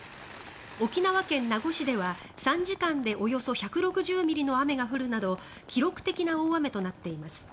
沖縄県名護市では、３時間でおよそ１６０ミリの雨が降るなど記録的な大雨となっています。